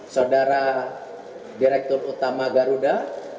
saudara direktur utama garuda